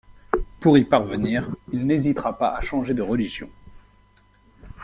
Pour y parvenir, il n'hésitera pas à changer de religion.